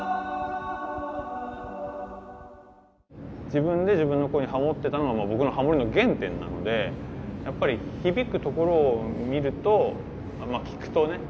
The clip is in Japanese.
自分で自分の声にハモってたのが僕のハモリの原点なのでやっぱり響くところを見るとまあ聴くとね